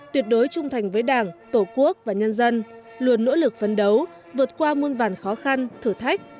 tuyệt đối trung thành với đảng tổ quốc và nhân dân luôn nỗ lực phấn đấu vượt qua muôn vàn khó khăn thử thách